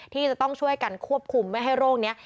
ที่จะต้องช่วยกันควบคุมไม่ให้โรคนี้